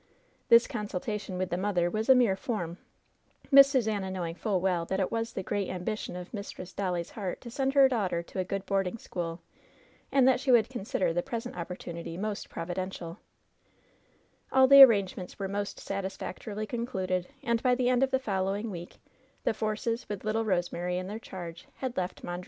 This consultation with the mother was a mer© form, Miss Susannah knowing full well that it was the great ambition of Mistress Dolly's heart to send her daughter to a good boarding school, and that she would consider the present opportunity most providential All the arrangements were most satisfactorily con cluded, and by the end of the following week, the Forces, with little Rosemary in their charge, had left Mondreer.